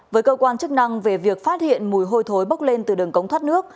với cơ quan chức năng về việc phát hiện mùi hôi thối bốc lên từ đường cống thoát nước